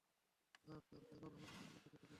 আর তার ছাগল আমার নিকট রেখে যেতে লাগল।